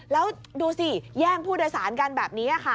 แล้วดูสิแย่งผู้โดยสารกันแบบนี้ค่ะ